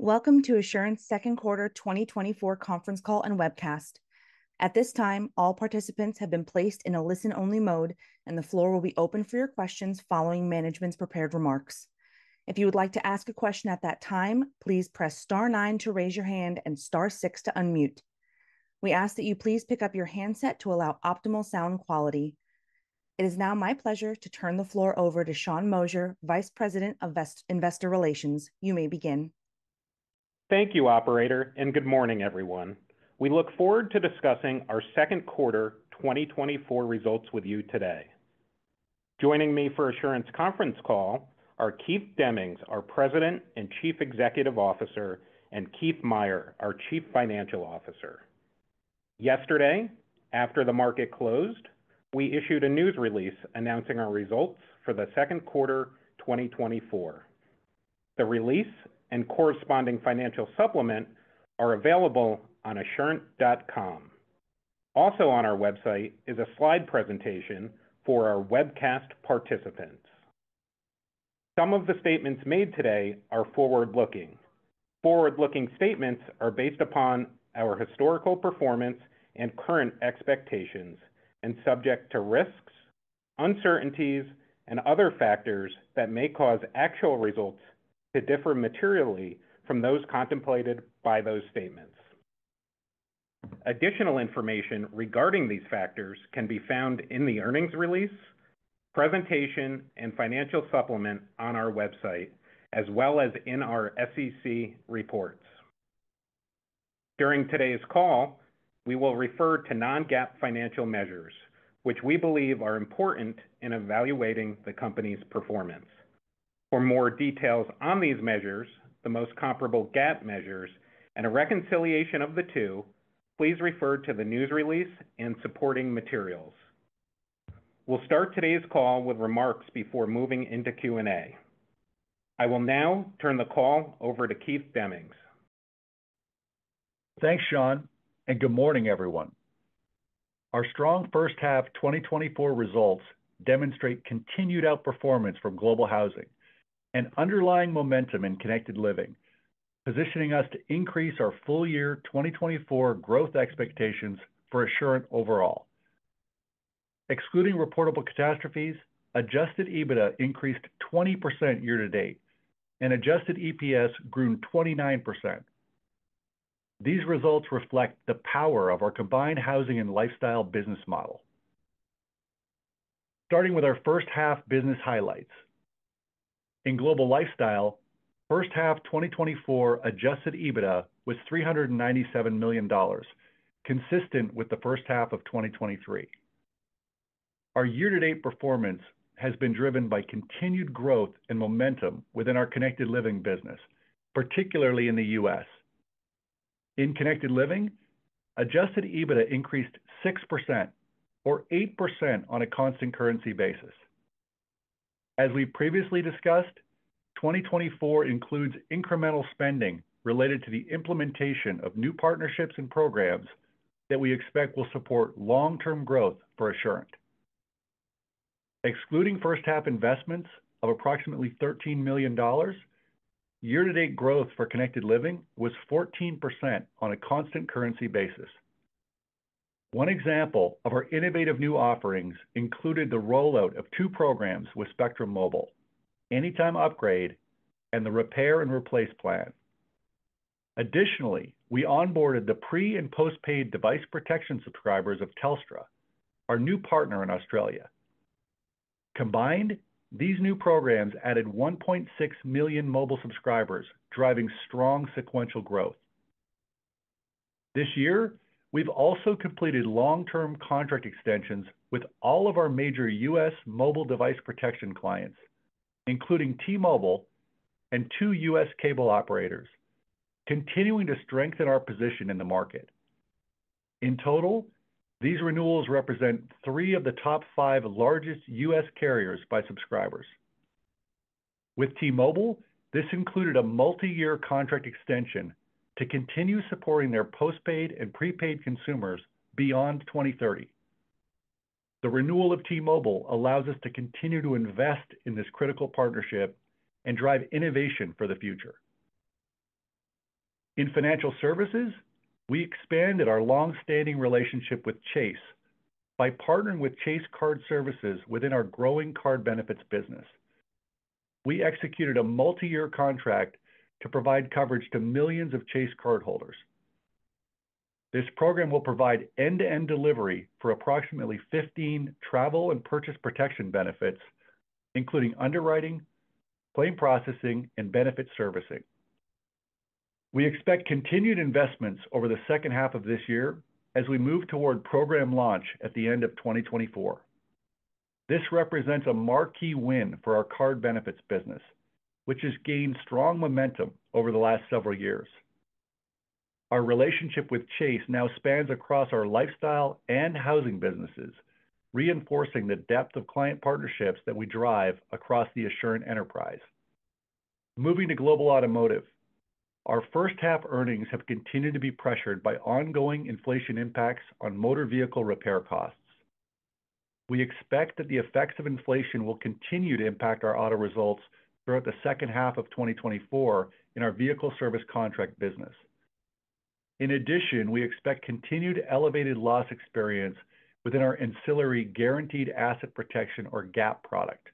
Welcome to Assurant's second quarter 2024 conference call and webcast. At this time, all participants have been placed in a listen-only mode, and the floor will be open for your questions following management's prepared remarks. If you would like to ask a question at that time, please press star nine to raise your hand and star six to unmute. We ask that you please pick up your handset to allow optimal sound quality. It is now my pleasure to turn the floor over to Sean Moshier, Vice President of Investor Relations. You may begin. Thank you, operator, and good morning, everyone. We look forward to discussing our second quarter 2024 results with you today. Joining me for Assurant's conference call are Keith Demmings, our President and Chief Executive Officer, and Keith Meier, our Chief Financial Officer. Yesterday, after the market closed, we issued a news release announcing our results for the second quarter 2024. The release and corresponding financial supplement are available on assurant.com. Also on our website is a slide presentation for our webcast participants. Some of the statements made today are forward-looking. Forward-looking statements are based upon our historical performance and current expectations and subject to risks, uncertainties, and other factors that may cause actual results to differ materially from those contemplated by those statements. Additional information regarding these factors can be found in the earnings release, presentation, and financial supplement on our website, as well as in our SEC reports. During today's call, we will refer to non-GAAP financial measures, which we believe are important in evaluating the company's performance. For more details on these measures, the most comparable GAAP measures, and a reconciliation of the two, please refer to the news release and supporting materials. We'll start today's call with remarks before moving into Q&A. I will now turn the call over to Keith Demmings. Thanks, Sean, and good morning, everyone. Our strong first half 2024 results demonstrate continued outperformance from Global Housing and underlying momentum in Connected Living, positioning us to increase our full-year 2024 growth expectations for Assurant overall. Excluding reportable catastrophes, adjusted EBITDA increased 20% year-to-date, and adjusted EPS grew 29%. These results reflect the power of our combined housing and lifestyle business model. Starting with our first half business highlights. In Global Lifestyle, first half 2024 adjusted EBITDA was $397 million, consistent with the first half of 2023. Our year-to-date performance has been driven by continued growth and momentum within our Connected Living business, particularly in the U.S. In Connected Living, adjusted EBITDA increased 6% or 8% on a constant currency basis. As we previously discussed, 2024 includes incremental spending related to the implementation of new partnerships and programs that we expect will support long-term growth for Assurant. Excluding first-half investments of approximately $13 million, year-to-date growth for Connected Living was 14% on a constant currency basis. One example of our innovative new offerings included the rollout of two programs with Spectrum Mobile: Anytime Upgrade and the Repair and Replace Plan. Additionally, we onboarded the pre- and post-paid device protection subscribers of Telstra, our new partner in Australia. Combined, these new programs added 1.6 million mobile subscribers, driving strong sequential growth. This year, we've also completed long-term contract extensions with all of our major U.S. mobile device protection clients, including T-Mobile and two U.S. cable operators, continuing to strengthen our position in the market. In total, these renewals represent three of the top five largest U.S. carriers by subscribers. With T-Mobile, this included a multi-year contract extension to continue supporting their postpaid and prepaid consumers beyond 2030. The renewal of T-Mobile allows us to continue to invest in this critical partnership and drive innovation for the future. In financial services, we expanded our long-standing relationship with Chase by partnering with Chase Card Services within our growing card benefits business. We executed a multi-year contract to provide coverage to millions of Chase cardholders. This program will provide end-to-end delivery for approximately 15 travel and purchase protection benefits, including underwriting, claim processing, and benefit servicing. We expect continued investments over the second half of this year as we move toward program launch at the end of 2024. This represents a marquee win for our card benefits business, which has gained strong momentum over the last several years. Our relationship with Chase now spans across our lifestyle and housing businesses, reinforcing the depth of client partnerships that we drive across the Assurant enterprise. Moving to Global Automotive. Our first-half earnings have continued to be pressured by ongoing inflation impacts on motor vehicle repair costs. We expect that the effects of inflation will continue to impact our auto results throughout the second half of 2024 in our vehicle service contract business. In addition, we expect continued elevated loss experience within our ancillary Guaranteed Asset Protection, or GAP product.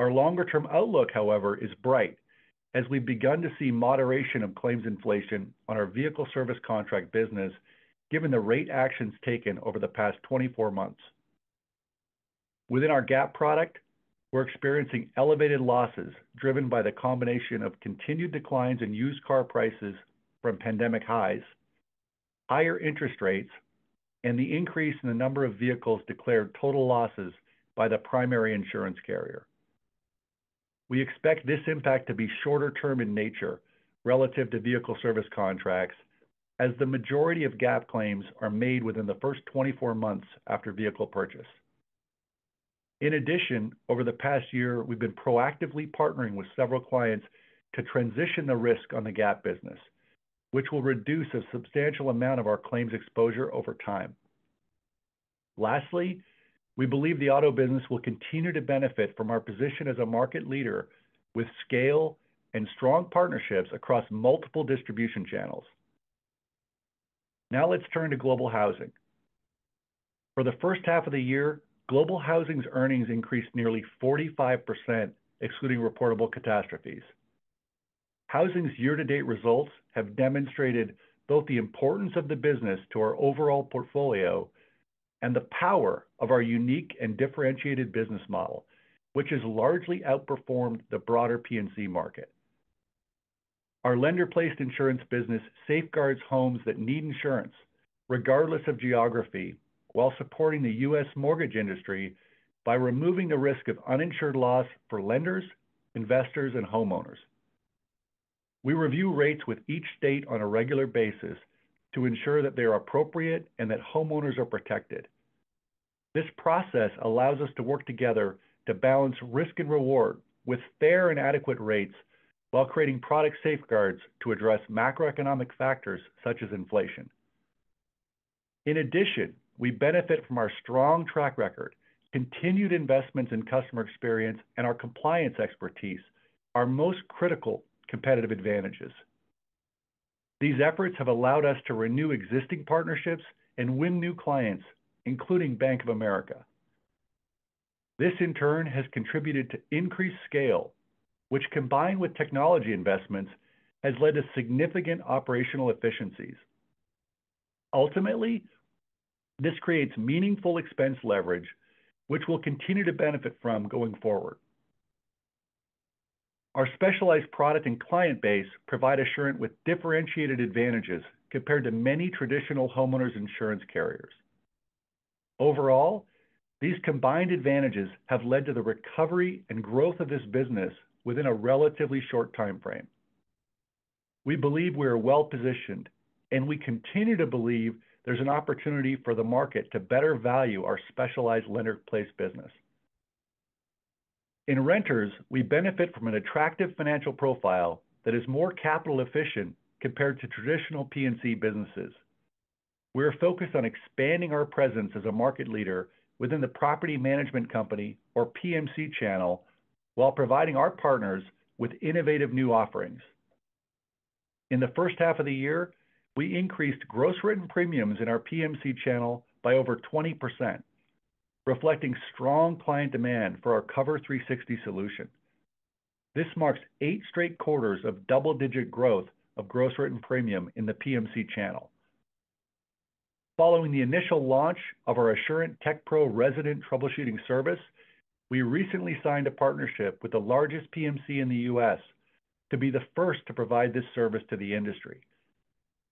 Our longer-term outlook, however, is bright, as we've begun to see moderation of claims inflation on our vehicle service contract business, given the rate actions taken over the past 24 months. Within our GAP product, we're experiencing elevated losses, driven by the combination of continued declines in used car prices from pandemic highs, higher interest rates, and the increase in the number of vehicles declared total losses by the primary insurance carrier. We expect this impact to be shorter term in nature relative to vehicle service contracts, as the majority of GAP claims are made within the first 24 months after vehicle purchase. In addition, over the past year, we've been proactively partnering with several clients to transition the risk on the GAP business, which will reduce a substantial amount of our claims exposure over time. Lastly, we believe the auto business will continue to benefit from our position as a market leader with scale and strong partnerships across multiple distribution channels. Now let's turn to Global Housing. For the first half of the year, Global Housing's earnings increased nearly 45%, excluding reportable catastrophes. Housing's year-to-date results have demonstrated both the importance of the business to our overall portfolio and the power of our unique and differentiated business model, which has largely outperformed the broader P&C market. Our lender-placed insurance business safeguards homes that need insurance, regardless of geography, while supporting the U.S. mortgage industry by removing the risk of uninsured loss for lenders, investors, and homeowners. We review rates with each state on a regular basis to ensure that they are appropriate and that homeowners are protected. This process allows us to work together to balance risk and reward with fair and adequate rates while creating product safeguards to address macroeconomic factors such as inflation. In addition, we benefit from our strong track record, continued investments in customer experience, and our compliance expertise, our most critical competitive advantages. These efforts have allowed us to renew existing partnerships and win new clients, including Bank of America. This, in turn, has contributed to increased scale, which, combined with technology investments, has led to significant operational efficiencies. Ultimately, this creates meaningful expense leverage, which we'll continue to benefit from going forward. Our specialized product and client base provide Assurant with differentiated advantages compared to many traditional homeowners' insurance carriers. Overall, these combined advantages have led to the recovery and growth of this business within a relatively short time frame. We believe we are well positioned, and we continue to believe there's an opportunity for the market to better value our specialized lender-placed business. In renters, we benefit from an attractive financial profile that is more capital efficient compared to traditional P&C businesses. We are focused on expanding our presence as a market leader within the property management company, or PMC channel, while providing our partners with innovative new offerings. In the first half of the year, we increased gross written premiums in our PMC channel by over 20%, reflecting strong client demand for our Cover360 solution. This marks eight straight quarters of double-digit growth of gross written premium in the PMC channel. Following the initial launch of our Assurant TechPro resident troubleshooting service, we recently signed a partnership with the largest PMC in the U.S. to be the first to provide this service to the industry.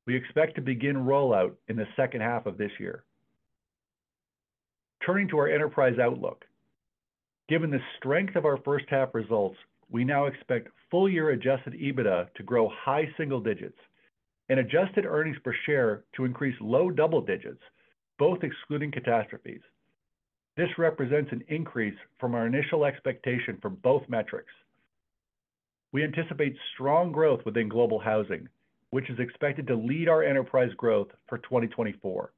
We expect to begin rollout in the second half of this year. Turning to our enterprise outlook. Given the strength of our first-half results, we now expect full-year adjusted EBITDA to grow high single digits and adjusted earnings per share to increase low double digits, both excluding catastrophes. This represents an increase from our initial expectation for both metrics. We anticipate strong growth within Global Housing, which is expected to lead our enterprise growth for 2024.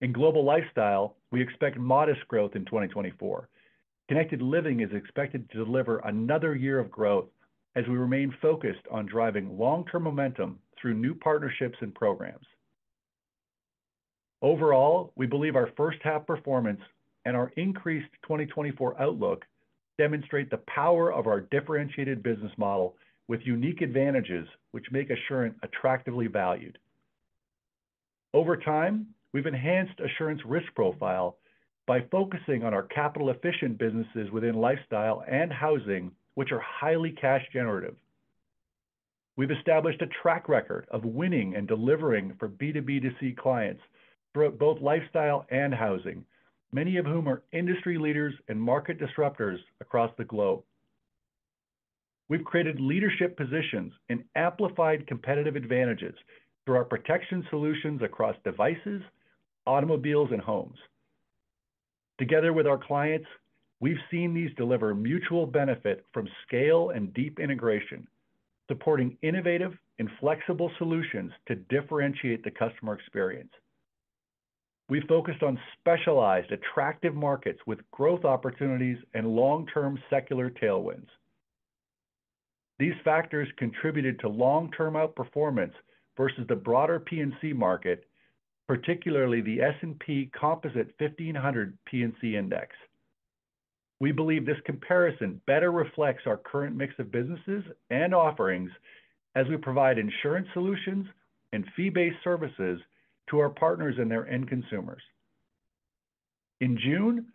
In Global Lifestyle, we expect modest growth in 2024. Connected Living is expected to deliver another year of growth as we remain focused on driving long-term momentum through new partnerships and programs. Overall, we believe our first-half performance and our increased 2024 outlook demonstrate the power of our differentiated business model with unique advantages which make Assurant attractively valued. Over time, we've enhanced Assurant's risk profile by focusing on our capital-efficient businesses within lifestyle and housing, which are highly cash generative. We've established a track record of winning and delivering for B2B2C clients throughout both lifestyle and housing, many of whom are industry leaders and market disruptors across the globe. We've created leadership positions and amplified competitive advantages through our protection solutions across devices, automobiles, and homes. Together with our clients, we've seen these deliver mutual benefit from scale and deep integration.... supporting innovative and flexible solutions to differentiate the customer experience. We focused on specialized, attractive markets with growth opportunities and long-term secular tailwinds. These factors contributed to long-term outperformance versus the broader P&C market, particularly the S&P Composite 1500 P&C Index. We believe this comparison better reflects our current mix of businesses and offerings as we provide insurance solutions and fee-based services to our partners and their end consumers. In June,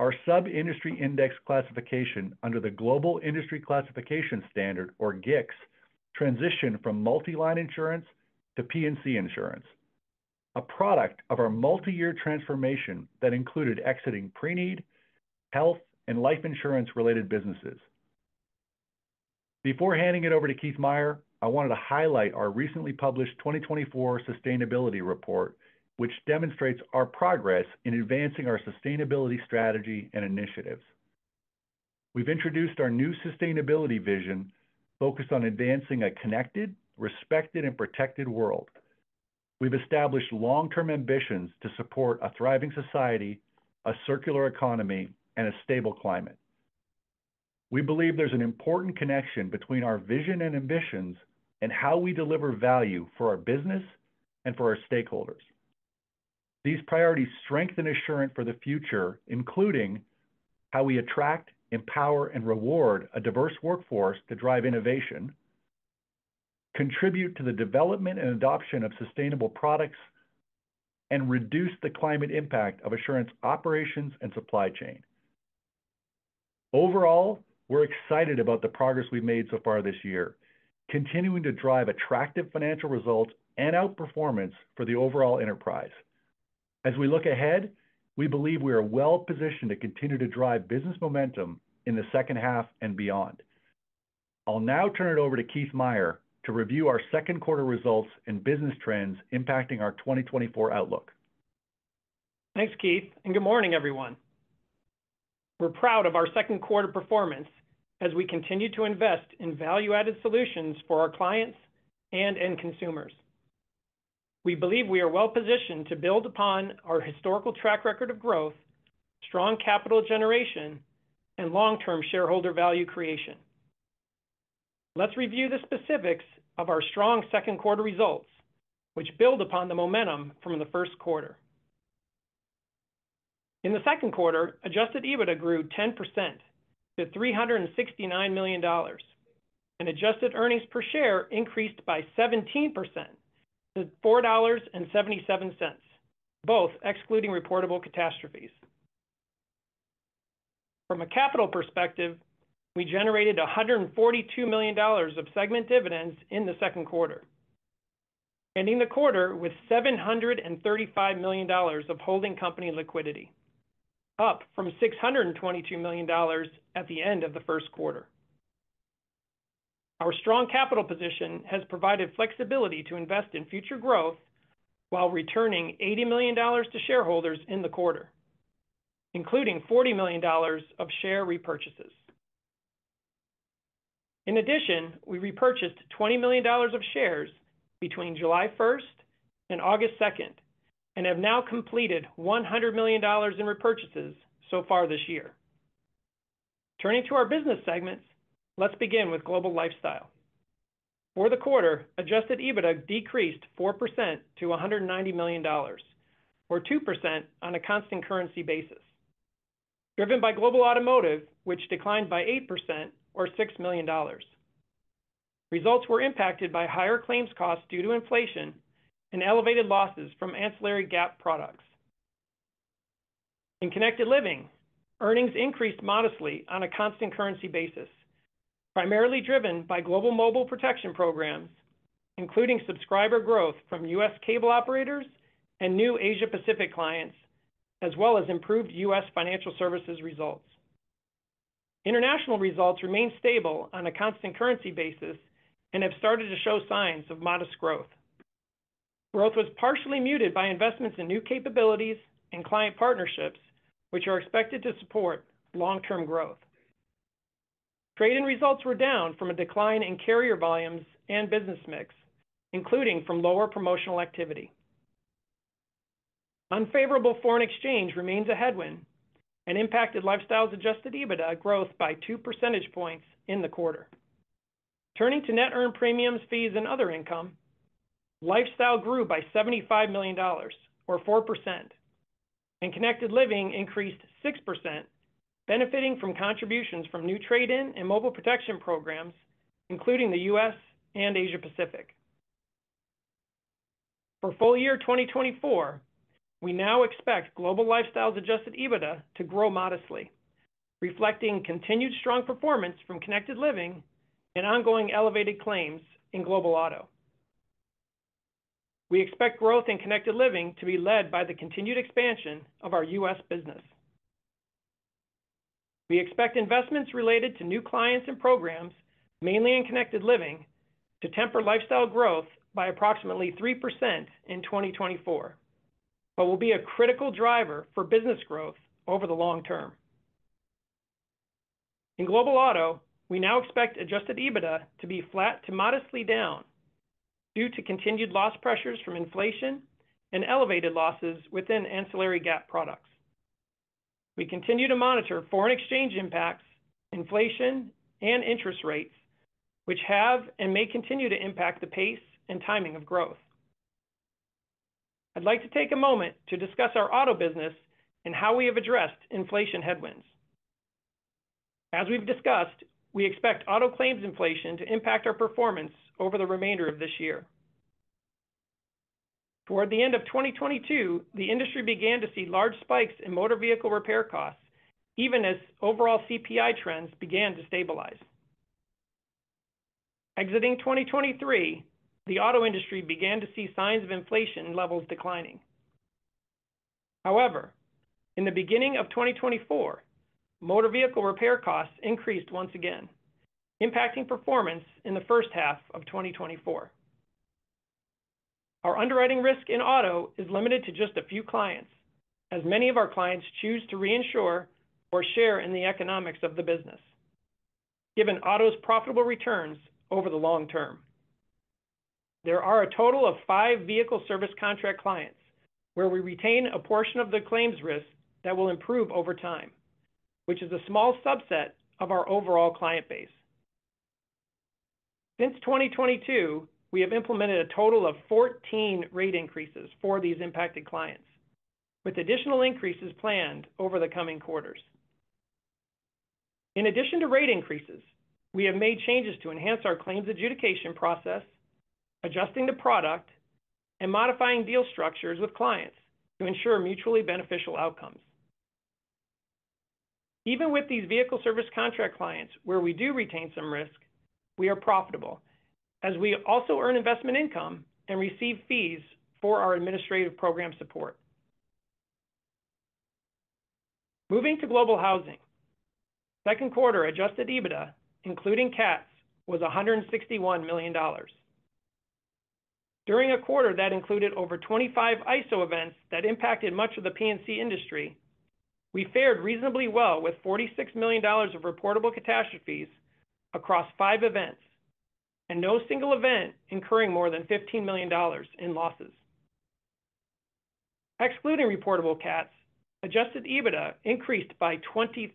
our sub-industry index classification under the Global Industry Classification Standard, or GICS, transitioned from multi-line insurance to P&C insurance, a product of our multi-year transformation that included exiting pre-need, health, and life insurance-related businesses. Before handing it over to Keith Meier, I wanted to highlight our recently published 2024 sustainability report, which demonstrates our progress in advancing our sustainability strategy and initiatives. We've introduced our new sustainability vision, focused on advancing a connected, respected, and protected world. We've established long-term ambitions to support a thriving society, a circular economy, and a stable climate. We believe there's an important connection between our vision and ambitions and how we deliver value for our business and for our stakeholders. These priorities strengthen Assurant for the future, including how we attract, empower, and reward a diverse workforce to drive innovation, contribute to the development and adoption of sustainable products, and reduce the climate impact of Assurant's operations and supply chain. Overall, we're excited about the progress we've made so far this year, continuing to drive attractive financial results and outperformance for the overall enterprise. As we look ahead, we believe we are well positioned to continue to drive business momentum in the second half and beyond. I'll now turn it over to Keith Meier to review our second quarter results and business trends impacting our 2024 outlook. Thanks, Keith, and good morning, everyone. We're proud of our second quarter performance as we continue to invest in value-added solutions for our clients and end consumers. We believe we are well positioned to build upon our historical track record of growth, strong capital generation, and long-term shareholder value creation. Let's review the specifics of our strong second quarter results, which build upon the momentum from the first quarter. In the second quarter, Adjusted EBITDA grew 10% to $369 million, and adjusted earnings per share increased by 17% to $4.77, both excluding reportable catastrophes. From a capital perspective, we generated $142 million of segment dividends in the second quarter, ending the quarter with $735 million of holding company liquidity, up from $622 million at the end of the first quarter. Our strong capital position has provided flexibility to invest in future growth while returning $80 million to shareholders in the quarter, including $40 million of share repurchases. In addition, we repurchased $20 million of shares between July 1st and August 2nd, and have now completed $100 million in repurchases so far this year. Turning to our business segments, let's begin with Global Lifestyle. For the quarter, adjusted EBITDA decreased 4% to $190 million, or 2% on a constant currency basis, driven by Global Automotive, which declined by 8% or $6 million. Results were impacted by higher claims costs due to inflation and elevated losses from ancillary GAP products. In Connected Living, earnings increased modestly on a constant currency basis, primarily driven by global mobile protection programs, including subscriber growth from U.S. cable operators and new Asia Pacific clients, as well as improved U.S. financial services results. International results remained stable on a constant currency basis and have started to show signs of modest growth. Growth was partially muted by investments in new capabilities and client partnerships, which are expected to support long-term growth. Trade-in results were down from a decline in carrier volumes and business mix, including from lower promotional activity. Unfavorable foreign exchange remains a headwind and impacted Lifestyle's adjusted EBITDA growth by 2 percentage points in the quarter. Turning to net earned premiums, fees, and other income, Lifestyle grew by $75 million, or 4%, and Connected Living increased 6%, benefiting from contributions from new trade-in and mobile protection programs, including the U.S. and Asia Pacific. For full-year 2024, we now expect Global Lifestyle's adjusted EBITDA to grow modestly, reflecting continued strong performance from Connected Living and ongoing elevated claims in Global Auto. We expect growth in Connected Living to be led by the continued expansion of our U.S. business. We expect investments related to new clients and programs, mainly in Connected Living, to temper Lifestyle growth by approximately 3% in 2024, but will be a critical driver for business growth over the long term.... In Global Auto, we now expect adjusted EBITDA to be flat to modestly down due to continued loss pressures from inflation and elevated losses within ancillary GAP products. We continue to monitor foreign exchange impacts, inflation, and interest rates, which have and may continue to impact the pace and timing of growth. I'd like to take a moment to discuss our auto business and how we have addressed inflation headwinds. As we've discussed, we expect auto claims inflation to impact our performance over the remainder of this year. Toward the end of 2022, the industry began to see large spikes in motor vehicle repair costs, even as overall CPI trends began to stabilize. Exiting 2023, the auto industry began to see signs of inflation levels declining. However, in the beginning of 2024, motor vehicle repair costs increased once again, impacting performance in the first half of 2024. Our underwriting risk in auto is limited to just a few clients, as many of our clients choose to reinsure or share in the economics of the business, given auto's profitable returns over the long term. There are a total of five vehicle service contract clients, where we retain a portion of the claims risk that will improve over time, which is a small subset of our overall client base. Since 2022, we have implemented a total of 14 rate increases for these impacted clients, with additional increases planned over the coming quarters. In addition to rate increases, we have made changes to enhance our claims adjudication process, adjusting the product and modifying deal structures with clients to ensure mutually beneficial outcomes. Even with these vehicle service contract clients, where we do retain some risk, we are profitable, as we also earn investment income and receive fees for our administrative program support. Moving to Global Housing, second quarter adjusted EBITDA, including cats, was $161 million. During a quarter that included over 25 ISO events that impacted much of the P&C industry, we fared reasonably well with $46 million of reportable catastrophes across 5 events, and no single event incurring more than $15 million in losses. Excluding reportable cats, adjusted EBITDA increased by 23%,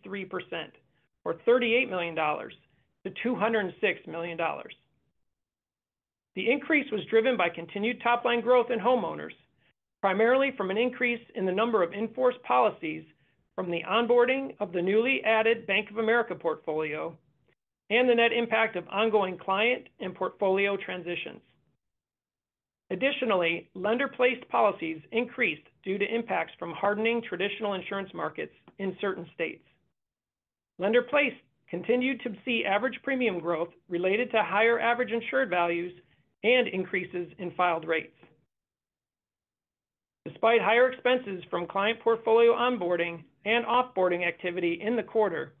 or $38 million, to $206 million. The increase was driven by continued top-line growth in homeowners, primarily from an increase in the number of in-force policies from the onboarding of the newly added Bank of America portfolio and the net impact of ongoing client and portfolio transitions. Additionally, lender-placed policies increased due to impacts from hardening traditional insurance markets in certain states. Lender-placed continued to see average premium growth related to higher average insured values and increases in filed rates. Despite higher expenses from client portfolio onboarding and off-boarding activity in the quarter,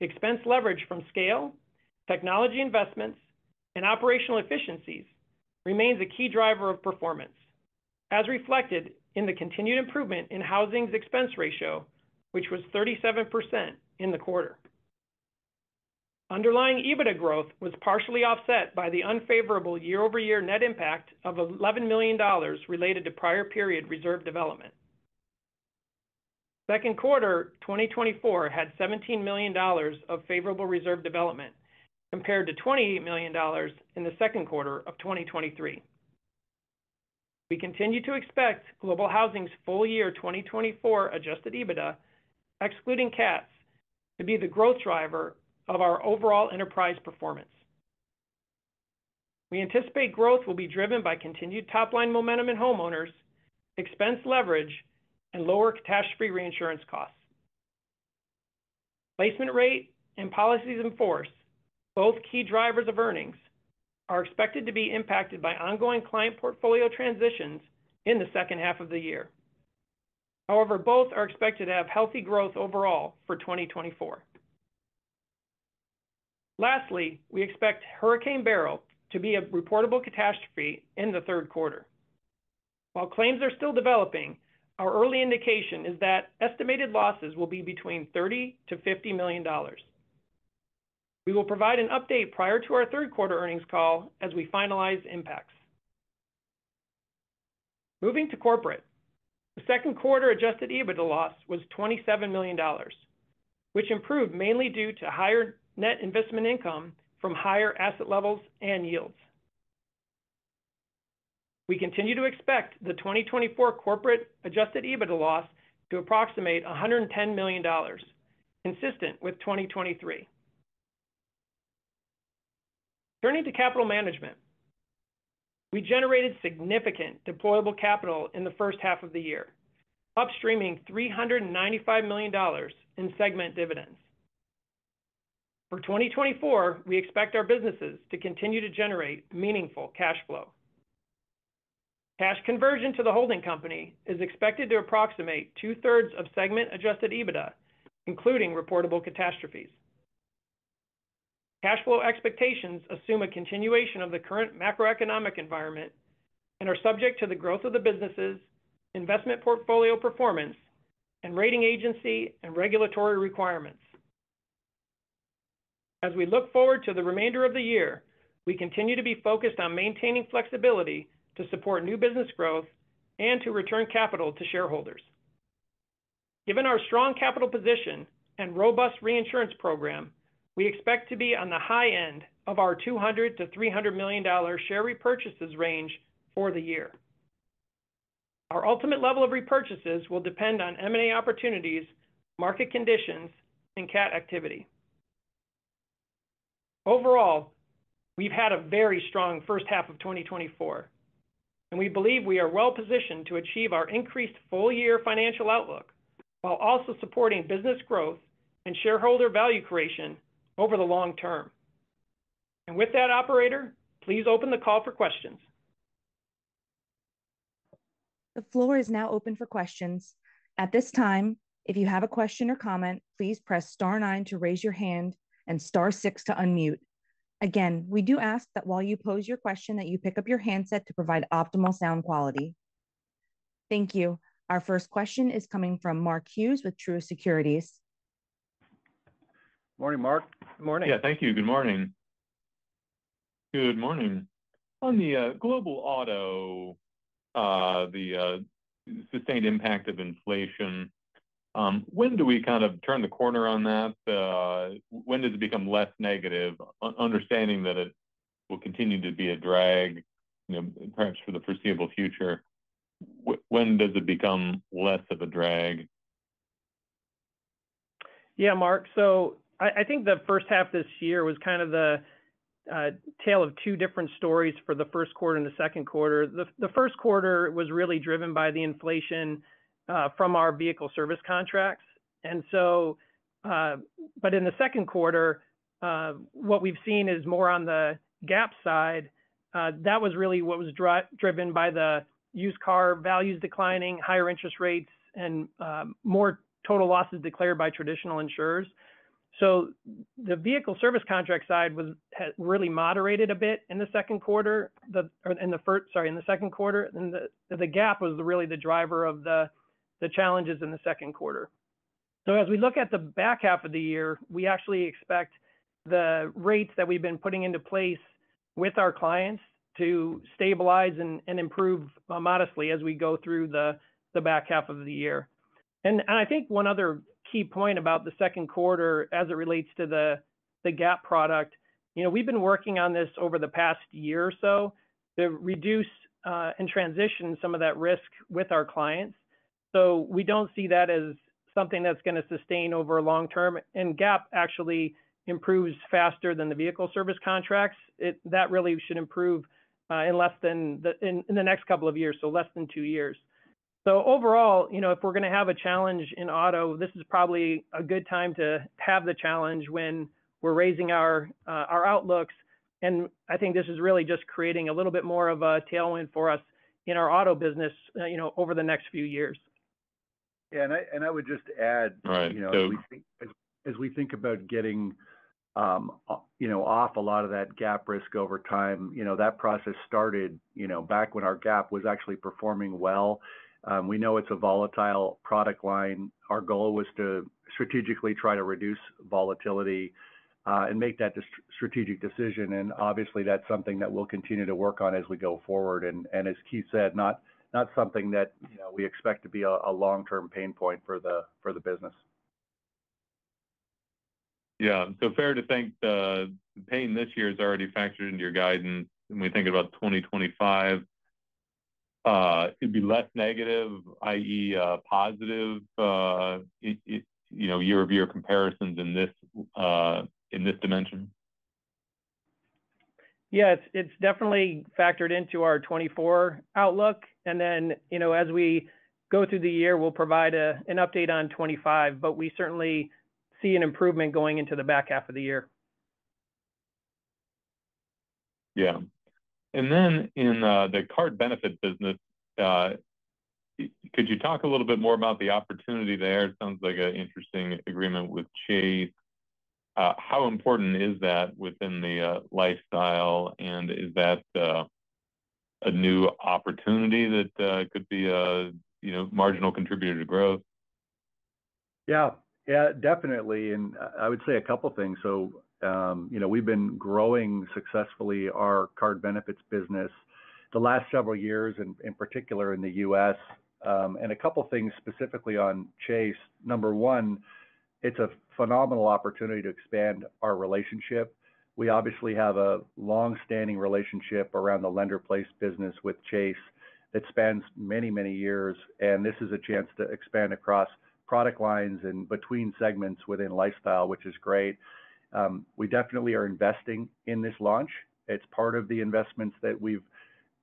expense leverage from scale, technology investments, and operational efficiencies remains a key driver of performance, as reflected in the continued improvement in Housing's expense ratio, which was 37% in the quarter. Underlying EBITDA growth was partially offset by the unfavorable year-over-year net impact of $11 million related to prior period reserve development. Second quarter 2024 had $17 million of favorable reserve development, compared to $20 million in the second quarter of 2023. We continue to expect Global Housing's full-year 2024 adjusted EBITDA, excluding cats, to be the growth driver of our overall enterprise performance. We anticipate growth will be driven by continued top-line momentum in homeowners, expense leverage, and lower catastrophe reinsurance costs. Placement rate and policies in force, both key drivers of earnings, are expected to be impacted by ongoing client portfolio transitions in the second half of the year. However, both are expected to have healthy growth overall for 2024. Lastly, we expect Hurricane Beryl to be a reportable catastrophe in the third quarter. While claims are still developing, our early indication is that estimated losses will be between $30 million-$50 million. We will provide an update prior to our third quarter earnings call as we finalize impacts. Moving to corporate. The second quarter adjusted EBITDA loss was $27 million, which improved mainly due to higher net investment income from higher asset levels and yields. We continue to expect the 2024 corporate adjusted EBITDA loss to approximate $110 million, consistent with 2023. Turning to capital management. We generated significant deployable capital in the first half of the year, upstreaming $395 million in segment dividends. For 2024, we expect our businesses to continue to generate meaningful cash flow. Cash conversion to the holding company is expected to approximate two-thirds of segment adjusted EBITDA, including reportable catastrophes. Cash flow expectations assume a continuation of the current macroeconomic environment and are subject to the growth of the businesses, investment portfolio performance, and rating agency and regulatory requirements. As we look forward to the remainder of the year, we continue to be focused on maintaining flexibility to support new business growth and to return capital to shareholders. Given our strong capital position and robust reinsurance program, we expect to be on the high end of our $200 million-$300 million share repurchases range for the year. Our ultimate level of repurchases will depend on M&A opportunities, market conditions, and cat activity. Overall, we've had a very strong first half of 2024, and we believe we are well positioned to achieve our increased full-year financial outlook, while also supporting business growth and shareholder value creation over the long term. With that, operator, please open the call for questions. The floor is now open for questions. At this time, if you have a question or comment, please press star nine to raise your hand and star six to unmute. Again, we do ask that while you pose your question, that you pick up your handset to provide optimal sound quality. Thank you. Our first question is coming from Mark Hughes with Truist Securities. Morning, Mark. Good morning. Yeah, thank you. Good morning. Good morning. On the global auto, the sustained impact of inflation, when do we kind of turn the corner on that? When does it become less negative, understanding that it will continue to be a drag, you know, perhaps for the foreseeable future, when does it become less of a drag? Yeah, Mark. So I think the first half this year was kind of the tale of two different stories for the first quarter and the second quarter. The first quarter was really driven by the inflation from our vehicle service contracts. And so, but in the second quarter, what we've seen is more on the GAP side. That was really what was driven by the used car values declining, higher interest rates, and more total losses declared by traditional insurers. So the vehicle service contract side was—has really moderated a bit in the second quarter, or in the first. Sorry, in the second quarter, and the GAP was really the driver of the challenges in the second quarter. So as we look at the back half of the year, we actually expect the rates that we've been putting into place with our clients to stabilize and improve modestly as we go through the back half of the year. And I think one other key point about the second quarter as it relates to the GAP product, you know, we've been working on this over the past year or so to reduce and transition some of that risk with our clients. So we don't see that as something that's gonna sustain over long term, and GAP actually improves faster than the vehicle service contracts. That really should improve in less than the next couple of years, so less than two years. So overall, you know, if we're gonna have a challenge in auto, this is probably a good time to have the challenge when we're raising our, our outlooks. And I think this is really just creating a little bit more of a tailwind for us in our auto business, you know, over the next few years. Yeah, and I would just add- Right. So- You know, as we think about getting, you know, off a lot of that GAP risk over time, you know, that process started, you know, back when our GAP was actually performing well. We know it's a volatile product line. Our goal was to strategically try to reduce volatility, and make that strategic decision, and obviously, that's something that we'll continue to work on as we go forward. And as Keith said, not something that, you know, we expect to be a long-term pain point for the business. Yeah. So fair to think the pain this year is already factored into your guidance, when we think about 2025, could be less negative, i.e., positive... You know, year-over-year comparisons in this, in this dimension? Yeah, it's definitely factored into our 2024 outlook. And then, you know, as we go through the year, we'll provide an update on 2025, but we certainly see an improvement going into the back half of the year. Yeah. And then in the card benefit business, could you talk a little bit more about the opportunity there? It sounds like an interesting agreement with Chase. How important is that within the lifestyle, and is that a new opportunity that could be a, you know, marginal contributor to growth? Yeah. Yeah, definitely, I would say a couple things. So, you know, we've been growing successfully our card benefits business the last several years, in particular, in the U.S. And a couple things specifically on Chase. Number one, it's a phenomenal opportunity to expand our relationship. We obviously have a long-standing relationship around the lender-placed business with Chase that spans many, many years, and this is a chance to expand across product lines and between segments within lifestyle, which is great. We definitely are investing in this launch. It's part of the investments that we've,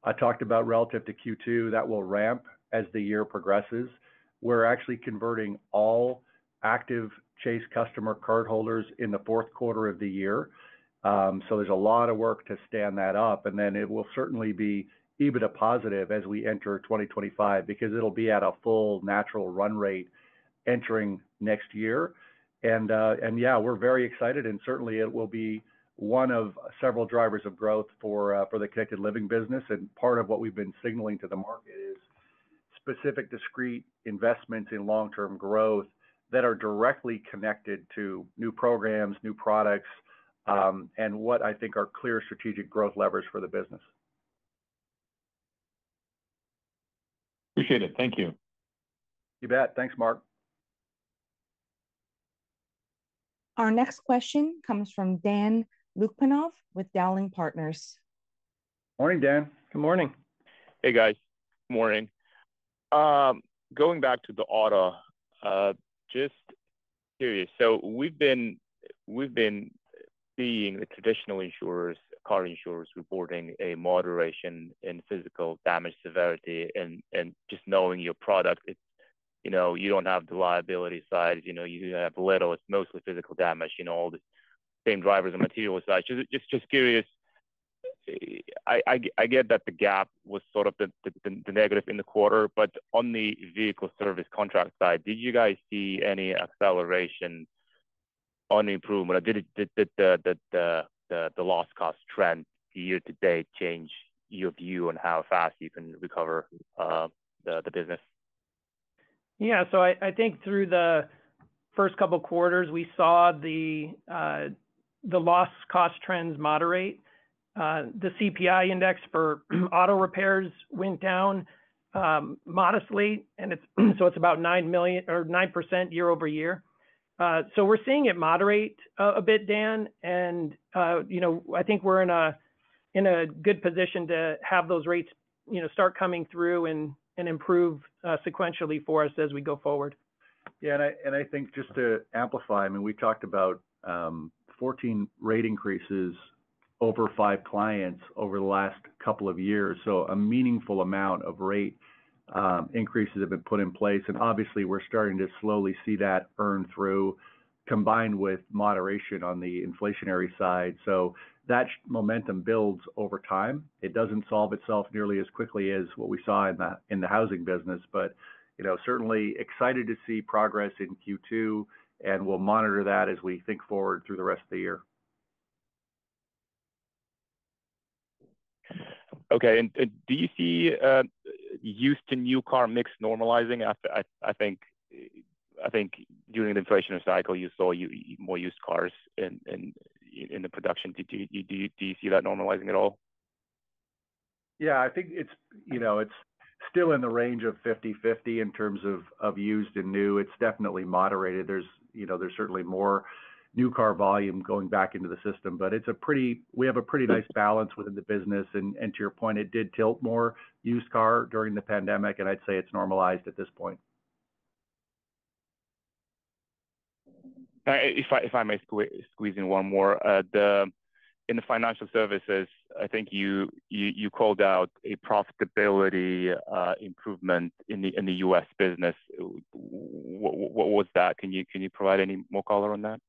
I talked about relative to Q2, that will ramp as the year progresses. We're actually converting all active Chase customer cardholders in the fourth quarter of the year. So, there's a lot of work to stand that up, and then it will certainly be EBITDA positive as we enter 2025, because it'll be at a full natural run rate entering next year. And, yeah, we're very excited, and certainly, it will be one of several drivers of growth for the Connected Living business and part of what we've been signaling to the market... specific discrete investments in long-term growth that are directly connected to new programs, new products, and what I think are clear strategic growth levers for the business. Appreciate it. Thank you. You bet. Thanks, Mark. Our next question comes from Gary Ransom with Dowling & Partners. Morning, Gary. Good morning. Hey, guys. Morning. Going back to the auto, just curious. So we've been seeing the traditional insurers, car insurers reporting a moderation in physical damage severity, and just knowing your product, it's, you know, you don't have the liability side. You know, you have little, it's mostly physical damage, you know, all the same drivers and material side. Just curious, I get that the gap was sort of the negative in the quarter, but on the vehicle service contract side, did you guys see any acceleration on the improvement, or did the loss cost trend year-to-date change your view on how fast you can recover the business? Yeah. So I think through the first couple quarters, we saw the loss cost trends moderate. The CPI index for auto repairs went down modestly, and it's about 9% year-over-year. So we're seeing it moderate a bit, Dan, and you know, I think we're in a good position to have those rates you know start coming through and improve sequentially for us as we go forward. Yeah, and I think just to amplify, I mean, we talked about 14 rate increases over five clients over the last couple of years. So a meaningful amount of rate increases have been put in place, and obviously, we're starting to slowly see that earn through, combined with moderation on the inflationary side. So that momentum builds over time. It doesn't solve itself nearly as quickly as what we saw in the housing business. But, you know, certainly excited to see progress in Q2, and we'll monitor that as we think forward through the rest of the year. Okay. And do you see used-to-new car mix normalizing after... I think during the inflationary cycle, you saw more used cars in the production. Do you see that normalizing at all? Yeah, I think it's, you know, it's still in the range of 50/50 in terms of used and new. It's definitely moderated. There's, you know, there's certainly more new car volume going back into the system, but it's a pretty. We have a pretty nice balance within the business. And to your point, it did tilt more used car during the pandemic, and I'd say it's normalized at this point. If I may squeeze in one more. In the financial services, I think you called out a profitability improvement in the U.S. business. What was that? Can you provide any more color on that?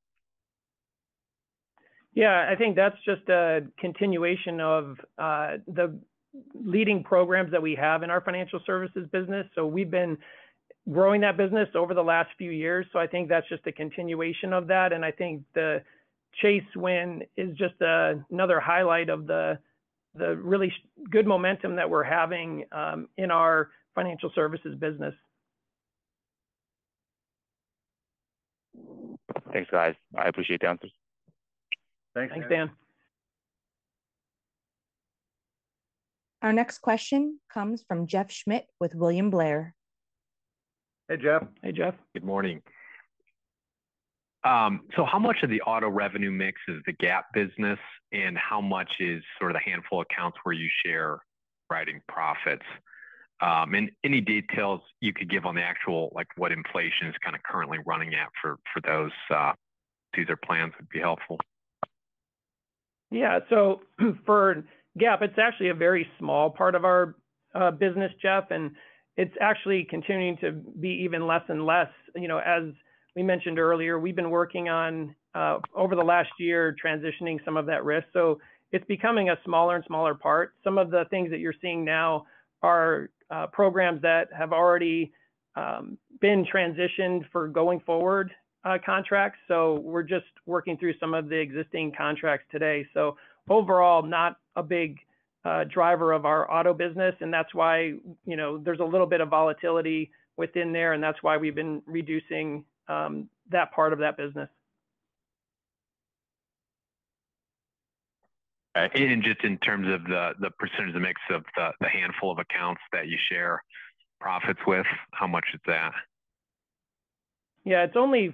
Yeah, I think that's just a continuation of the leading programs that we have in our financial services business. So we've been growing that business over the last few years, so I think that's just a continuation of that, and I think the Chase win is just another highlight of the really good momentum that we're having in our financial services business. Thanks, guys. I appreciate the answers. Thanks, Dan. Our next question comes from Jeff Schmitt with William Blair. Hey, Jeff. Hey, Jeff. Good morning. So how much of the auto revenue mix is the GAP business, and how much is sort of the handful of accounts where you share writing profits? And any details you could give on the actual, like, what inflation is kind of currently running at for, for those, these plans would be helpful. Yeah. So for GAAP, it's actually a very small part of our business, Jeff, and it's actually continuing to be even less and less. You know, as we mentioned earlier, we've been working on over the last year, transitioning some of that risk. So it's becoming a smaller and smaller part. Some of the things that you're seeing now are programs that have already been transitioned for going forward, contracts. So we're just working through some of the existing contracts today. So overall, not a big driver of our auto business, and that's why, you know, there's a little bit of volatility within there, and that's why we've been reducing that part of that business. Just in terms of the percentage of the mix of the handful of accounts that you share profits with, how much is that? Yeah, it's only,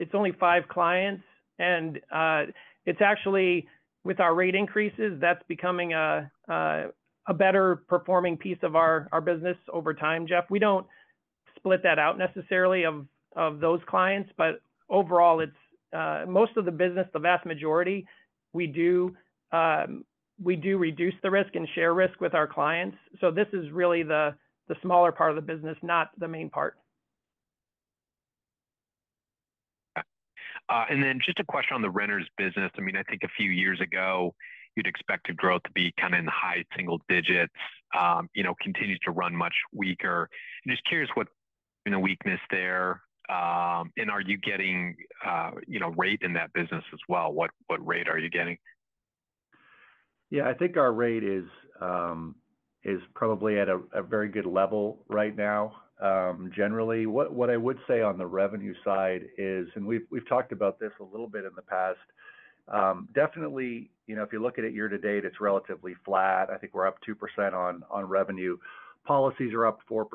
it's only five clients, and it's actually with our rate increases, that's becoming a better performing piece of our, our business over time, Jeff. We don't split that out necessarily of, of those clients, but overall, it's most of the business, the vast majority, we do, we do reduce the risk and share risk with our clients. So this is really the, the smaller part of the business, not the main part. And then just a question on the renters business. I mean, I think a few years ago, you'd expect the growth to be kind of in the high single digits, you know, continues to run much weaker. Just curious what, you know, weakness there, and are you getting, you know, rate in that business as well? What, what rate are you getting?... Yeah, I think our rate is probably at a very good level right now, generally. What I would say on the revenue side is, and we've talked about this a little bit in the past, definitely, you know, if you look at it year-to-date, it's relatively flat. I think we're up 2% on revenue. Policies are up 4%.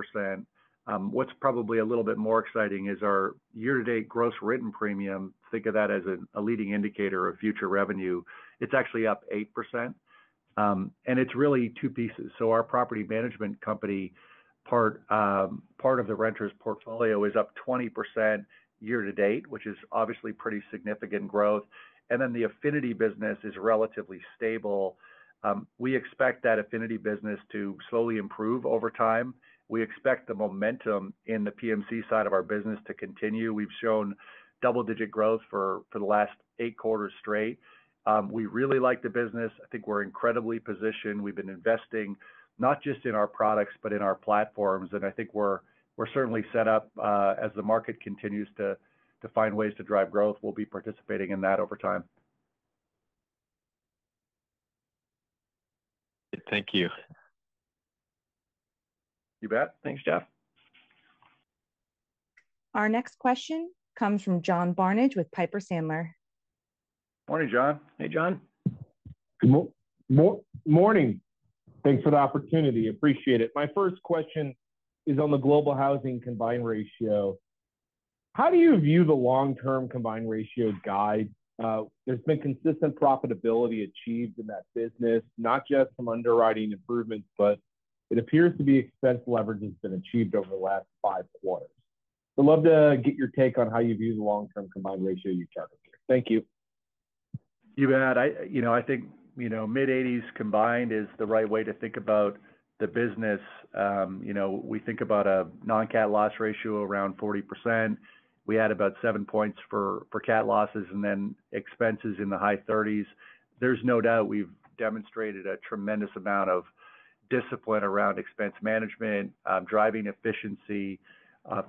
What's probably a little bit more exciting is our year-to-date gross written premium, think of that as a leading indicator of future revenue, it's actually up 8%. And it's really two pieces. So our property management company part, part of the renters portfolio is up 20% year-to-date, which is obviously pretty significant growth, and then the affinity business is relatively stable. We expect that affinity business to slowly improve over time. We expect the momentum in the PMC side of our business to continue. We've shown double-digit growth for the last eight quarters straight. We really like the business. I think we're incredibly positioned. We've been investing not just in our products, but in our platforms, and I think we're certainly set up as the market continues to find ways to drive growth, we'll be participating in that over time. Thank you. You bet. Thanks, Jeff. Our next question comes from John Barnidge with Piper Sandler. Morning, John. Hey, John. Good morning. Thanks for the opportunity. Appreciate it. My first question is on the Global Housing combined ratio. How do you view the long-term combined ratio guide? There's been consistent profitability achieved in that business, not just from underwriting improvements, but it appears to be expense leverage that's been achieved over the last five quarters. So I'd love to get your take on how you view the long-term combined ratio you charted here. Thank you. You bet. I you know I think you know mid-80s combined is the right way to think about the business. You know, we think about a non-cat loss ratio around 40%. We add about seven points for cat losses, and then expenses in the high 30s. There's no doubt we've demonstrated a tremendous amount of discipline around expense management driving efficiency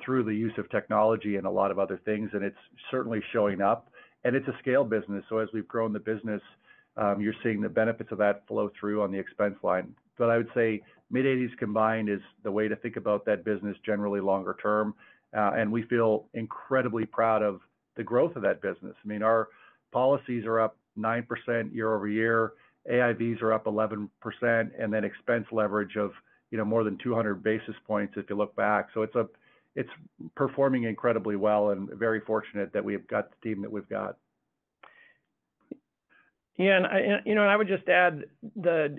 through the use of technology and a lot of other things, and it's certainly showing up, and it's a scale business. So as we've grown the business, you're seeing the benefits of that flow through on the expense line. But I would say mid-80s combined is the way to think about that business, generally longer term, and we feel incredibly proud of the growth of that business. I mean, our policies are up 9% year-over-year, AIVs are up 11%, and then expense leverage of, you know, more than 200 basis points if you look back. So it's performing incredibly well and very fortunate that we've got the team that we've got. Yeah, and you know, I would just add, the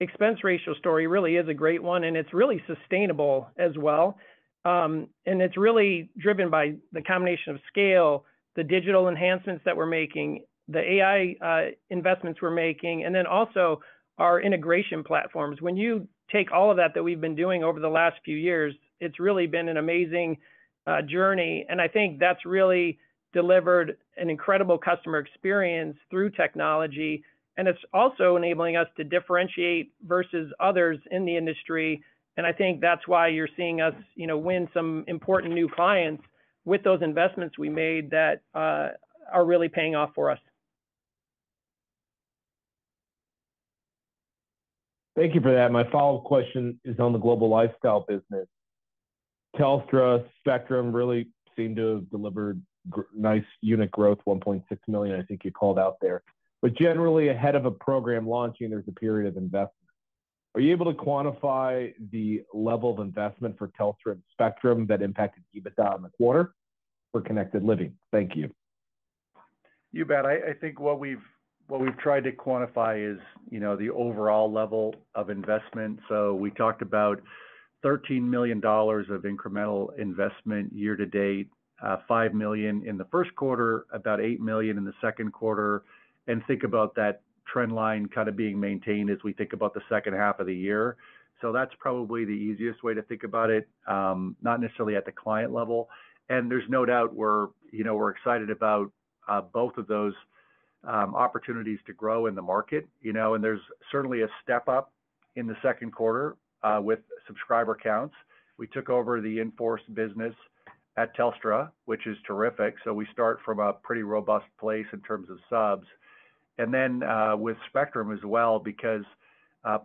expense ratio story really is a great one, and it's really sustainable as well. And it's really driven by the combination of scale, the digital enhancements that we're making, the AI investments we're making, and then also our integration platforms. When you take all of that that we've been doing over the last few years, it's really been an amazing journey, and I think that's really delivered an incredible customer experience through technology, and it's also enabling us to differentiate versus others in the industry. And I think that's why you're seeing us, you know, win some important new clients with those investments we made that are really paying off for us. Thank you for that. My follow-up question is on the Global Lifestyle business. Telstra Spectrum really seemed to have delivered nice unit growth, 1.6 million, I think you called out there. But generally, ahead of a program launching, there's a period of investment. Are you able to quantify the level of investment for Telstra Spectrum that impacted EBITDA in the quarter for Connected Living? Thank you. You bet. I think what we've tried to quantify is, you know, the overall level of investment. So we talked about $13 million of incremental investment year-to-date, $5 million in the first quarter, about $8 million in the second quarter, and think about that trend line kind of being maintained as we think about the second half of the year. So that's probably the easiest way to think about it, not necessarily at the client level. And there's no doubt we're, you know, we're excited about both of those opportunities to grow in the market, you know. And there's certainly a step up in the second quarter with subscriber counts. We took over the in-force business at Telstra, which is terrific, so we start from a pretty robust place in terms of subs. And then, with Spectrum as well, because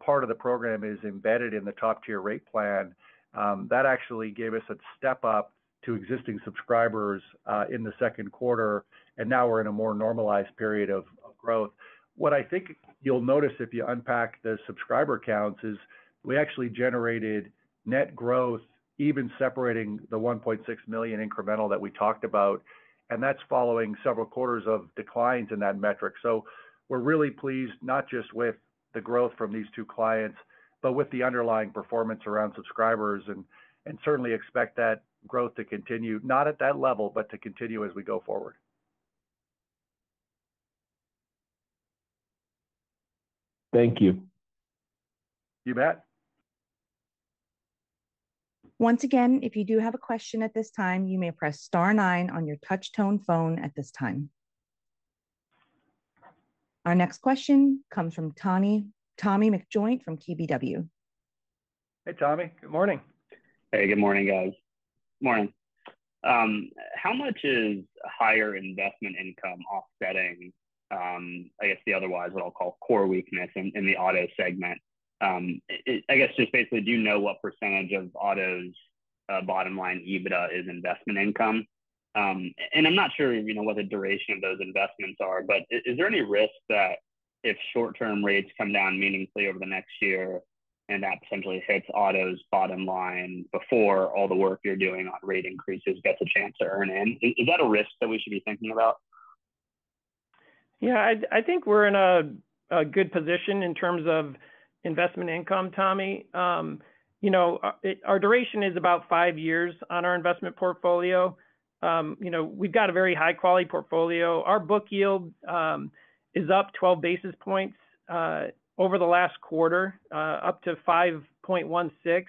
part of the program is embedded in the top-tier rate plan, that actually gave us a step up to existing subscribers in the second quarter, and now we're in a more normalized period of growth. What I think you'll notice if you unpack the subscriber counts is, we actually generated net growth, even separating the 1.6 million incremental that we talked about, and that's following several quarters of declines in that metric. So we're really pleased, not just with the growth from these two clients, but with the underlying performance around subscribers, and certainly expect that growth to continue, not at that level, but to continue as we go forward. Thank you. You bet. Once again, if you do have a question at this time, you may press star nine on your touch tone phone at this time. Our next question comes from Tommy McJoynt from KBW.... Hey, Tommy, good morning. Hey, good morning, guys. Morning. How much is higher investment income offsetting, I guess the otherwise what I'll call core weakness in the auto segment? I guess, just basically, do you know what percentage of auto's bottom line EBITDA is investment income? And I'm not sure if you know what the duration of those investments are, but is there any risk that if short-term rates come down meaningfully over the next year, and that potentially hits auto's bottom line before all the work you're doing on rate increases gets a chance to earn in? Is that a risk that we should be thinking about? Yeah, I think we're in a good position in terms of investment income, Tommy. You know, our duration is about five years on our investment portfolio. You know, we've got a very high-quality portfolio. Our book yield is up 12 basis points over the last quarter up to 5.16%.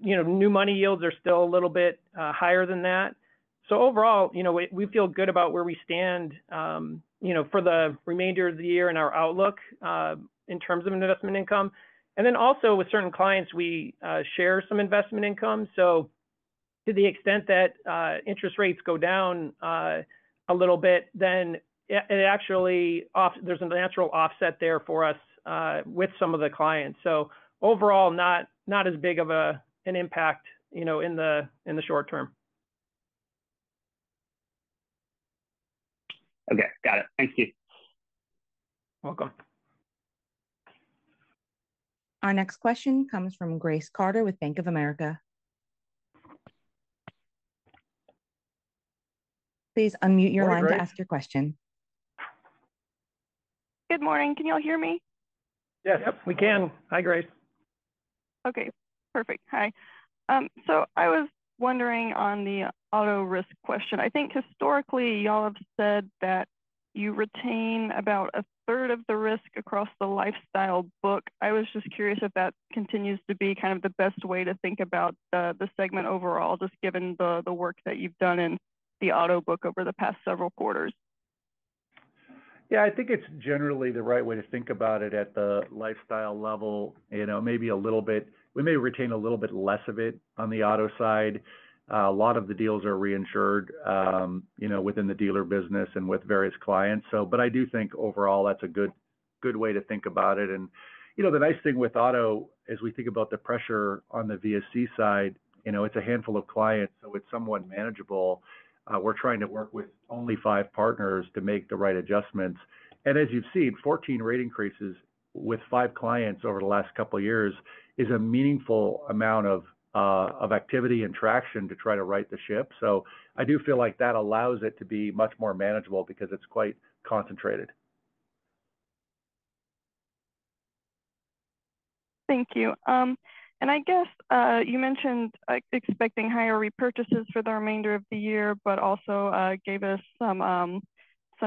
You know, new money yields are still a little bit higher than that. So overall, you know, we feel good about where we stand, you know, for the remainder of the year and our outlook in terms of investment income. And then also, with certain clients, we share some investment income. So to the extent that interest rates go down a little bit, then it actually, there's a natural offset there for us with some of the clients. Overall, not as big of an impact, you know, in the short term. Okay, got it. Thank you. You're welcome. Our next question comes from Grace Carter with Bank of America. Please unmute your line to ask your question. Good morning. Can you all hear me? Yes, we can. Hi, Grace. Okay, perfect. Hi. So I was wondering on the auto risk question. I think historically, y'all have said that you retain about a third of the risk across the lifestyle book. I was just curious if that continues to be kind of the best way to think about the segment overall, just given the work that you've done in the auto book over the past several quarters. Yeah, I think it's generally the right way to think about it at the lifestyle level. You know, maybe a little bit, we may retain a little bit less of it on the auto side. A lot of the deals are reinsured, you know, within the dealer business and with various clients. So, but I do think overall, that's a good, good way to think about it. And, you know, the nice thing with auto, as we think about the pressure on the VSC side, you know, it's a handful of clients, so it's somewhat manageable. We're trying to work with only five partners to make the right adjustments. And as you've seen, 14 rate increases with five clients over the last couple of years is a meaningful amount of, of activity and traction to try to right the ship. I do feel like that allows it to be much more manageable because it's quite concentrated. Thank you. And I guess you mentioned, like, expecting higher repurchases for the remainder of the year, but also gave us some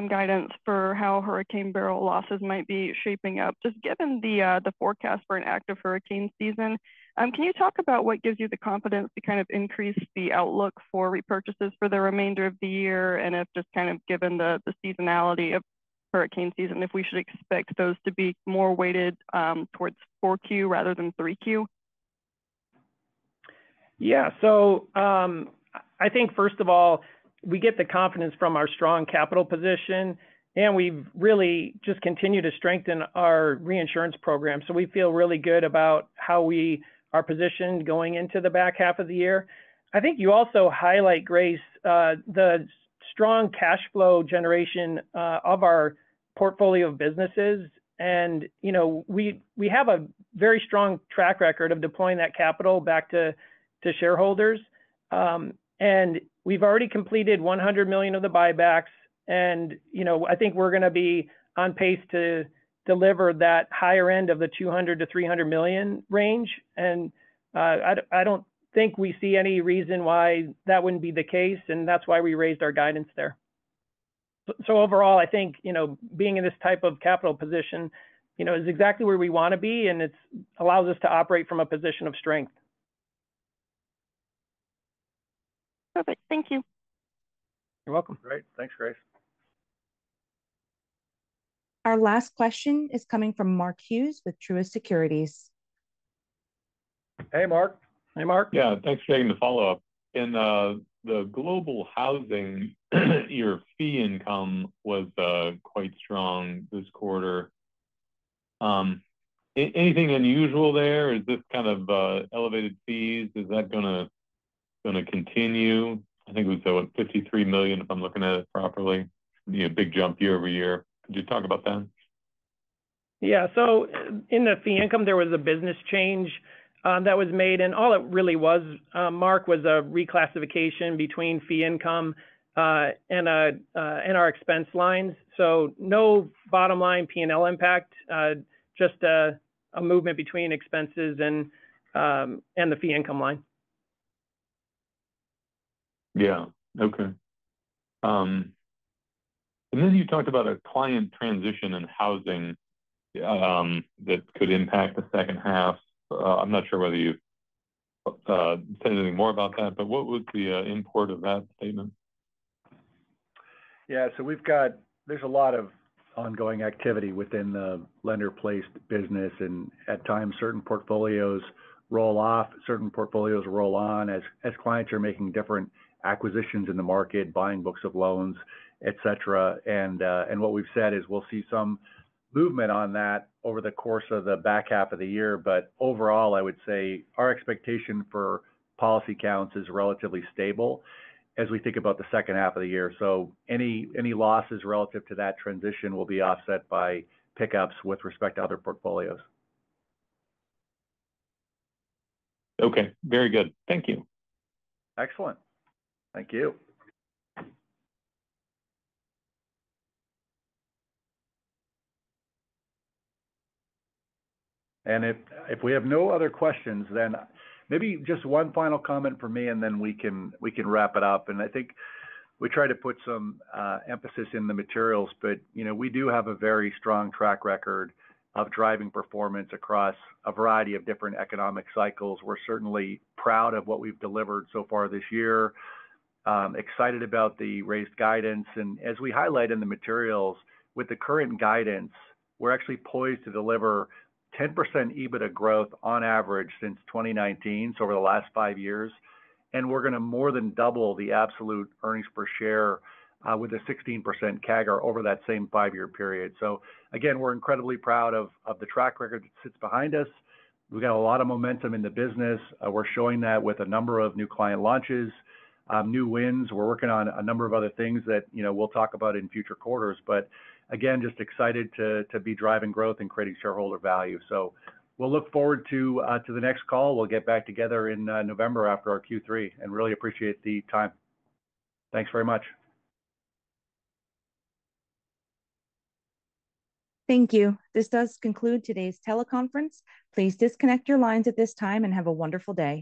guidance for how Hurricane Beryl losses might be shaping up. Just given the forecast for an active hurricane season, can you talk about what gives you the confidence to kind of increase the outlook for repurchases for the remainder of the year? And if just kind of given the seasonality of hurricane season, if we should expect those to be more weighted towards 4Q rather than 3Q? Yeah. So, I think, first of all, we get the confidence from our strong capital position, and we've really just continued to strengthen our reinsurance program. So we feel really good about how we are positioned going into the back half of the year. I think you also highlight, Grace, the strong cash flow generation of our portfolio of businesses. And, you know, we, we have a very strong track record of deploying that capital back to, to shareholders. And we've already completed $100 million of the buybacks, and, you know, I think we're going to be on pace to deliver that higher end of the $200 million-$300 million range. And, I, I don't think we see any reason why that wouldn't be the case, and that's why we raised our guidance there. Overall, I think, you know, being in this type of capital position, you know, is exactly where we want to be, and it allows us to operate from a position of strength. Perfect. Thank you. You're welcome. Great. Thanks, Grace. Our last question is coming from Mark Hughes with Truist Securities. Hey, Mark. Hey, Mark. Yeah, thanks for taking the follow-up. In the Global Housing, your fee income was quite strong this quarter. Anything unusual there? Is this kind of elevated fees? Is that going to continue? I think we saw $53 million, if I'm looking at it properly, you know, big jump year-over-year. Could you talk about that? Yeah. So in the fee income, there was a business change that was made, and all it really was, Mark, was a reclassification between fee income and our expense lines. So no bottom line P&L impact, just a movement between expenses and the fee income line. Yeah. Okay. And then you talked about a client transition in housing that could impact the second half. I'm not sure whether you've said anything more about that, but what was the import of that statement?... Yeah, so we've got, there's a lot of ongoing activity within the lender-placed business, and at times, certain portfolios roll off, certain portfolios roll on, as clients are making different acquisitions in the market, buying books of loans, et cetera. And what we've said is we'll see some movement on that over the course of the back half of the year. But overall, I would say our expectation for policy counts is relatively stable as we think about the second half of the year. So any losses relative to that transition will be offset by pickups with respect to other portfolios. Okay, very good. Thank you. Excellent. Thank you. And if we have no other questions, then maybe just one final comment from me, and then we can wrap it up. And I think we try to put some emphasis in the materials, but, you know, we do have a very strong track record of driving performance across a variety of different economic cycles. We're certainly proud of what we've delivered so far this year, excited about the raised guidance. And as we highlight in the materials, with the current guidance, we're actually poised to deliver 10% EBITDA growth on average since 2019, so over the last five years, and we're going to more than double the absolute earnings per share, with a 16% CAGR over that same five-year period. So again, we're incredibly proud of the track record that sits behind us. We've got a lot of momentum in the business. We're showing that with a number of new client launches, new wins. We're working on a number of other things that, you know, we'll talk about in future quarters. But again, just excited to be driving growth and creating shareholder value. So we'll look forward to the next call. We'll get back together in November after our Q3, and really appreciate the time. Thanks very much. Thank you. This does conclude today's teleconference. Please disconnect your lines at this time, and have a wonderful day.